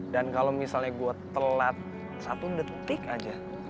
dan kalo misalnya gue telat satu detik aja